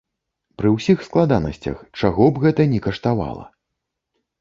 Пры ўсіх складанасцях, чаго б гэта ні каштавала!